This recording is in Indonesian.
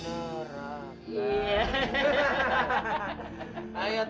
kaka akan buktikan semuanya li